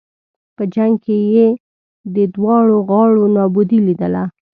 په جنګ کې یې د دواړو غاړو نابودي لېدله.